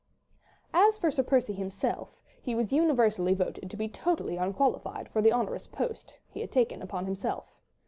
As for Sir Percy himself, he was universally voted to be totally unqualified for the onerous post he had taken upon himself.